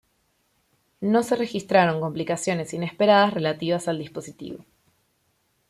No se registraron complicaciones inesperadas relativas al dispositivo.